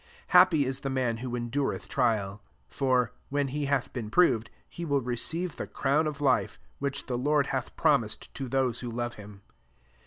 12 Happy ia the man who endureth trial : for, when he hath been proved, he will re ceive the crown of life, which [the LordJ hath promised to those who love him.